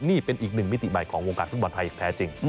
นี่เป็นอีกหนึ่งมิติใหม่ของวงการฟุตบอลไทยแท้จริง